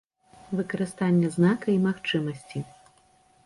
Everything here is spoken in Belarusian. Выкарыстанне знака і магчымасці.